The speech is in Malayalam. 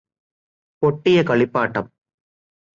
പൊട്ടിയ കളിപ്പാട്ടം